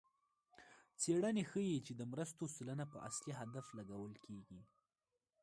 څېړنې ښيي چې د مرستو سلنه په اصلي هدف لګول کېږي.